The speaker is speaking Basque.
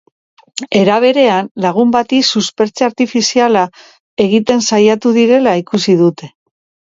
Era berean, lagun bati suspertze-artifiziala egiten saiatu direla ikusi dute.